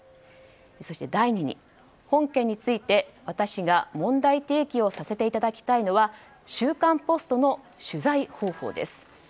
そして第２に本件について私が問題提起をさせていただきたいのは「週刊ポスト」の取材方法です。